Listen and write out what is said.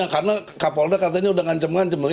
karena kapolda katanya sudah ngancam ngancam